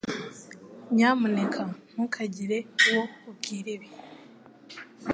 Nyamuneka ntukagire uwo ubwira ibi.